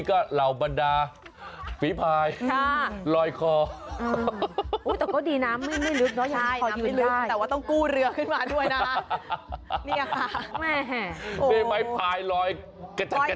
เก็บเอาเองนะคะ